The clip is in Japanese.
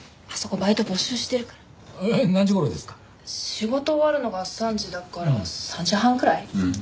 仕事終わるのが３時だから３時半くらい？